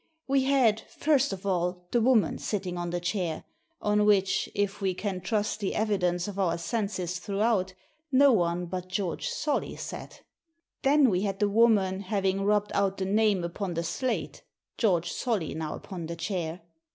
We had, first of all, the woman sitting on the chair, on which, if we can trust the evidence of our senses throughout, no one but George Solly sat Then we had the woman, having rubbed out the name upon the slate, George Solly now upon the chair.